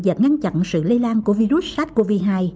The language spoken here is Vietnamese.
và ngăn chặn sự lây lan của virus sát covid hai